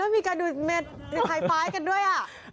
มีกระดูดแมดไฟปลายกันด้วย